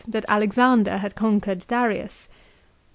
105 that Alexander had conquered Darius.